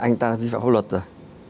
anh ta đã vi phạm pháp luật rồi